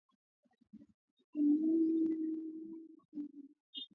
Lakini Brigedia Ekenge amesema katika taarifa kwamba wana taarifa za kuaminika sana